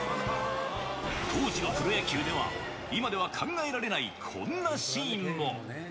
当時のプロ野球では、今では考えられない、こんなシーンも。